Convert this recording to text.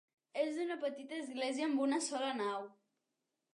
És una petita església amb una sola nau.